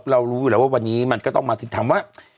เรารู้แหละว่าวันนี้มันก็ต้องมาถึงทำว่า